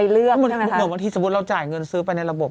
เหมือนบางทีสมมุติเราจ่ายเงินซื้อไปในระบบ